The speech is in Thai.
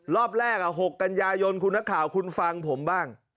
รอบแรก๖กันยายนคุณนักข่าวคุณฟังผมบ้าง